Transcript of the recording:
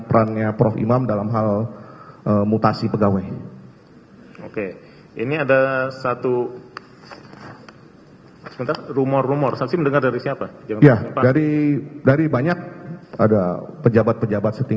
pak idil yang bisa menjelaskan